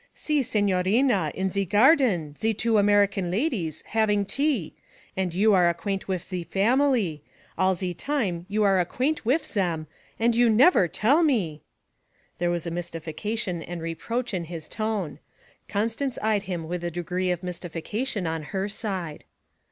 'Si, signorina, in ze garden ze two American ladies having tea. And you are acquaint wif ze family; all ze time you are acquaint wif zem, and you never tell me!' There was mystification and reproach in his tone. Constance eyed him with a degree of mystification on her side.